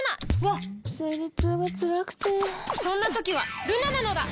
わっ生理痛がつらくてそんな時はルナなのだ！